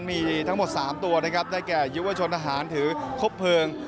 มีทั้งหมด๓ตัวนะครับได้แก่ยุวชนทหารถือครบเพลิง